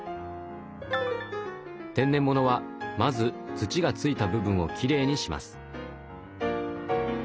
天然ものはまず土がついた部分をきれいにします。